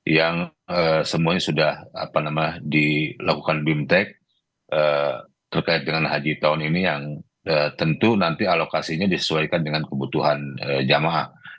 yang semuanya sudah dilakukan bimtek terkait dengan haji tahun ini yang tentu nanti alokasinya disesuaikan dengan kebutuhan jamaah